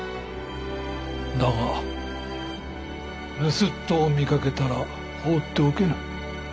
だが盗人を見かけたら放っておけぬ。